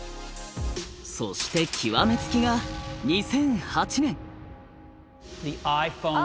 そして極めつきが２００８年！